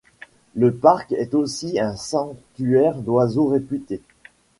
Le parc est aussi un sanctuaire d'oiseaux réputé.